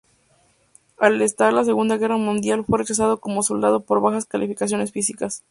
Al estallar la Segunda Guerra Mundial fue rechazado como soldado por bajas calificaciones físicas.